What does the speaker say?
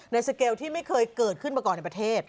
สเกลที่ไม่เคยเกิดขึ้นมาก่อนในประเทศ